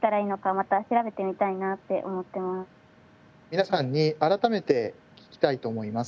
皆さんに改めて聞きたいと思います。